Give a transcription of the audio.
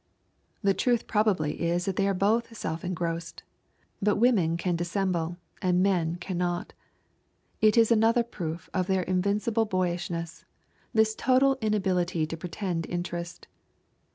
The truth probably is that they are both self engrossed, but women can dissemble and men cannot. It is another proof of their invincible boyishness, this total inability to pretend interest.